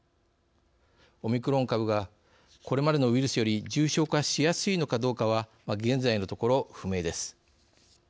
オミクロン株がこれまでのウイルスより重症化しやすいのかどうかは現在のところ不明です。